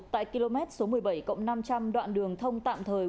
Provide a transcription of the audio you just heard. tại km số một mươi bảy cộng năm trăm linh đoạn đường thông tạm thời